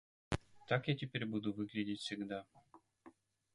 Так я теперь буду выглядеть всегда!